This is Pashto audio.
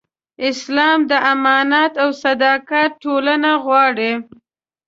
اسلام د امانت او صداقت ټولنه غواړي.